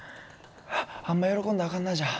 あんま喜んだらあかんなじゃあ。